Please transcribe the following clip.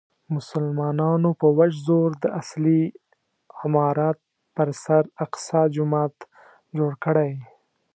مسلمانانو په وچ زور د اصلي عمارت پر سر اقصی جومات جوړ کړی.